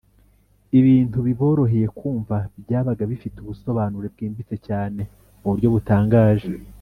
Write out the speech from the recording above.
ibintu biboroheye kumva, byabaga bifite ubusobanuro bwimbitse cyane mu buryo butangaje